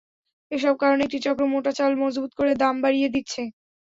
এসব কারণে একটি চক্র মোটা চাল মজুত করে দাম বাড়িয়ে দিচ্ছে।